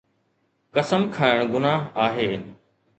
قسم کڻڻ گناهه آهي.